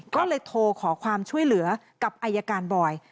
ก็เลยโทรขอความช่วยเหลือกับอายการบอย